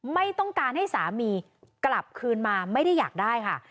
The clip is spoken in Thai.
ไม่ต้องการให้สามีกลับคืนมาไม่ได้อยากได้ค่ะ